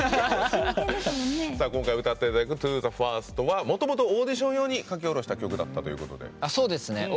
今回歌っていただく「ＴｏＴｈｅＦｉｒｓｔ」はもともとオーディション用に書き下ろした曲だったそうで。